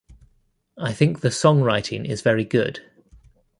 I think the song writing is very good.